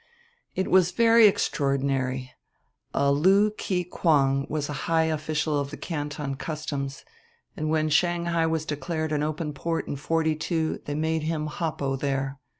"It was very extraordinary. A Lú Kikwáng was a high official of the Canton Customs, and when Shanghai was declared an open port in forty two they made him hoppo there.